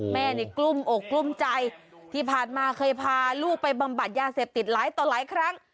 แม่นี่กลุ้มอกกลุ้มใจที่ผ่านมาเคยพาลูกไปบำบัดยาเสพติดหลายต่อหลายครั้ง